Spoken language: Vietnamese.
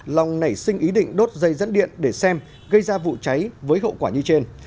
long nảy sinh ý định đốt dây dẫn điện để xem gây ra vụ cháy với hậu quả như trên